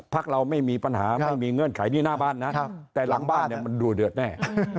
เราไม่มีปัญหาไม่มีเงื่อนไขนี่หน้าบ้านนะแต่หลังบ้านมันดูเดือดแน่